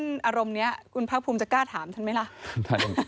อารมณ์นี้คุณภาคภูมิจะกล้าถามฉันไหมล่ะ